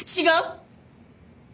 違う？